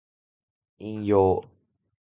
引用